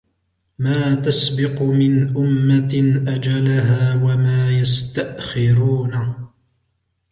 مَا تَسْبِقُ مِنْ أُمَّةٍ أَجَلَهَا وَمَا يَسْتَأْخِرُونَ